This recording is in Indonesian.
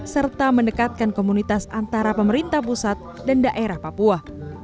serta mendekatkan komunitas antara pemerintah pusat dan daerah papua